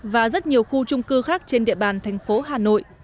và rất nhiều khu trung cư khác trên địa bàn thành phố hà nội